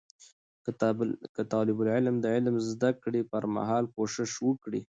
که طالب العلم د علم د زده کړې پر مهال کوشش وکړي